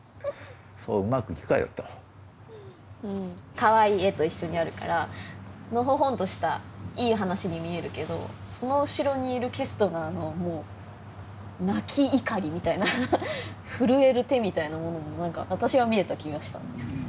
かわいい絵と一緒にあるからのほほんとしたいい話に見えるけどその後ろにいるケストナーのもう泣き怒りみたいな震える手みたいなものも何か私は見えた気がしたんですね。